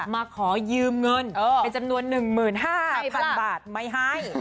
มาขอยืมเงินเป็นจำนวน๑๕๐๐๐บาทไม่ให้